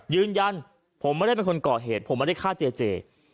ยืนยันผมไม่ได้เป็นคนก่อเหตุผมไม่ได้ฆ่าเจเจ